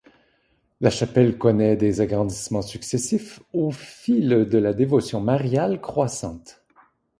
La chapelle connait des agrandissements successifs au fil de la dévotion mariale croissante.